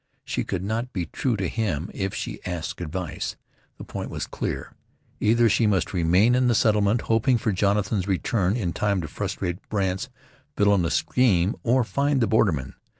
She could not be true to him if she asked advice. The point was clear; either she must remain in the settlement hoping for Jonathan's return in time to frustrate Brandt's villainous scheme, or find the borderman.